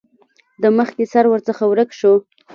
د مخکې سر ورڅخه ورک شو.